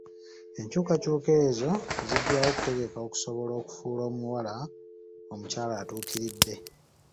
Enkyukakyuka ezo zijjawo kutegeka okusobola okufuula omuwala omukyala atuukiridde.